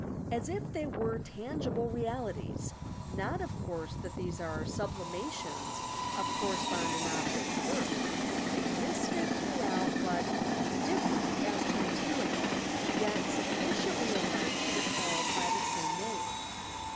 as if they were tangible realities, — not, of course, that these are sublimations of corresponding objects of earth, existent throughout but different as to material, yet sufficiently alike to be called by the same name.